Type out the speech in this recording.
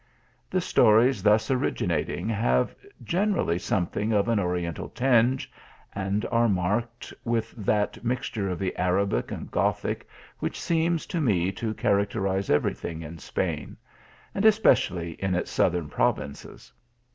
The stories thus originating have generally some thing of an oriental tinge, and are marked with that mixture of the Arabic and Gothic which seems to me to characterize every thing in Spain ; and especially in its southern provinces.